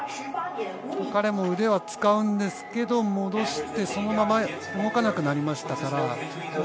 彼も腕は使うんですけれども戻して、そのまま動かなくなりましたから。